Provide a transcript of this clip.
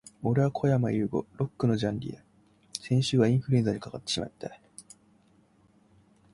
俺はこやまゆうご。Lock のジャンリだ。先週はインフルエンザにかかってしまった、、、